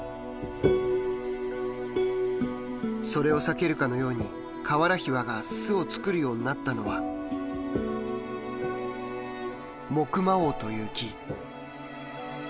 それを避けるかのようにカワラヒワが巣を作るようになったのはモクマオウという木。